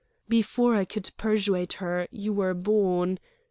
"Before I could persuade her, you were born....